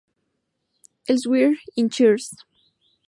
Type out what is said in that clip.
Elsewhere" y "Cheers".